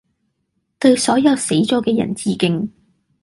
對所有死咗嘅人致敬